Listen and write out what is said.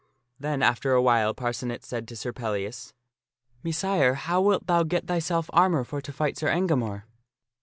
Then after awhile Parcenet said to Sir Pellias, " Messire, how wilt thou get ' thyself armor for to fight Sir Engamore